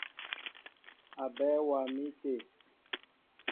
Aɓέɛ waá mi té.